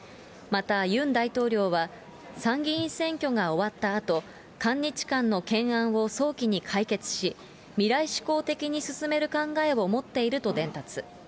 また、ユン大統領は、参議院選挙が終わったあと、韓日間の懸案を早期に解決し、未来志向的に進める考えを持っていると伝達。